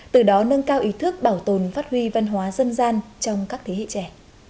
từ đó nâng cao ý thức bảo tồn phát huy văn hóa dân gian trong các thế hệ trẻ